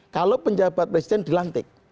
kalau penjabat presiden dilantik